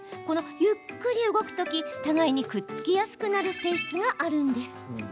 このゆっくり動くとき互いにくっつきやすくなる性質があるんです。